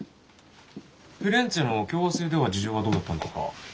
フィレンツェの共和制では事情はどうだったんですか？